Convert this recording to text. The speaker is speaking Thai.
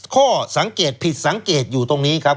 ข้อสังเกตผิดสังเกตอยู่ตรงนี้ครับ